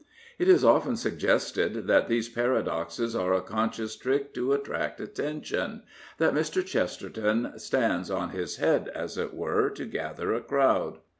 It is often suggested that these paradoxes are a conscious trick to attract attention — that Mr. Chesterton stands on his head, as it were, to gather a crowd.